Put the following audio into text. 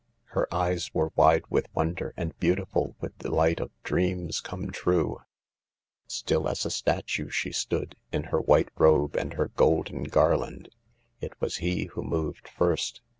Her eyes were wide with wonder, and beautiful with the light of dreams come true. Still as a statue she stood, in her white robe and her golden garland. It was he who moved first.